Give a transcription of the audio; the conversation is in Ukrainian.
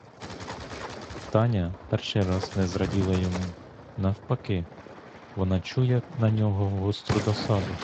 Таня перший раз не зраділа йому, навпаки, вона чує на нього гостру досаду.